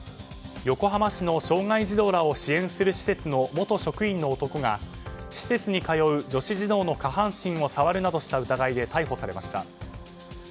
横浜市の障害児童らを支援する施設の元職員の男が、施設に通う女子児童の下半身を触るなどした疑いで逮捕されました。